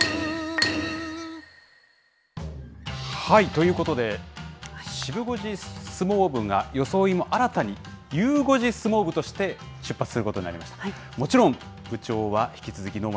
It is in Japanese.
ということで、シブ５時相撲部が装いも新たにゆう５時相撲部として出発することになりました。